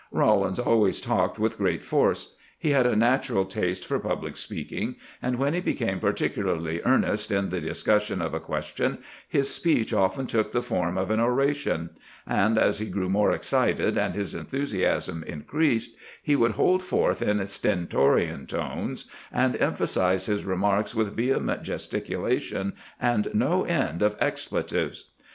Rawlins always talked with great force. He had a natural taste for public speaking, and when he became particularly earnest in the discussion of a question, his speech often took the form of an oration ; and as he grew more excited, and his enthusiasm in creased, he would hold forth in stentorian tones, and emphasize his remarks with vehement gesticulation and no end of expletives.